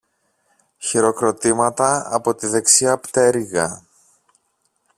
Χειροκροτήματα από τη δεξιά πτέρυγα